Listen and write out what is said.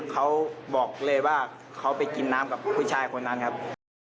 เขาบอกเลยว่าเขาไปกินน้ำกับผู้ชายคนนั้นครับ